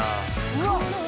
うわっ！